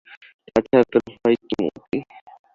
তাছাড়া তোর ভয় কী মতি?